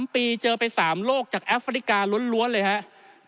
๓ปีเจอไป๓โลกจากแอฟริกาล้วนเลยครับ